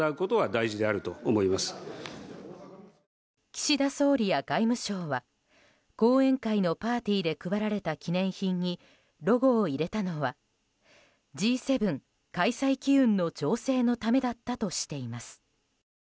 岸田総理や外務省は後援会のパーティーで配られた記念品にロゴを入れたのはＧ７開催機運の醸成のためだったとしています。